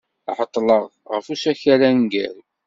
Ɛeḍḍleɣ ɣef usakal aneggaru.